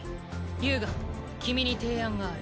遊我君に提案がある。